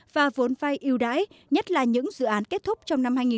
và vốn vai ưu đãi nhất là những dự án kết thúc trong năm hai nghìn một mươi bảy hai nghìn hai mươi